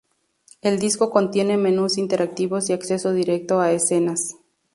El disco contiene menús interactivos y acceso directo a escenas.